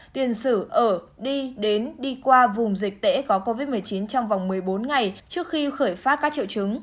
tiền sử ở đi đến đi qua vùng dịch tễ có covid một mươi chín trong vòng một mươi bốn ngày trước khi khởi phát các triệu chứng